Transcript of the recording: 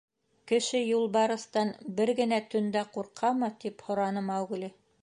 — Кеше юлбарыҫтан бер генә төндә ҡурҡамы? — тип һораны Маугли.